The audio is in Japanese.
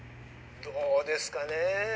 どうですかねぇ。